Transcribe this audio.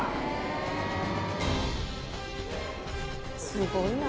すごいな。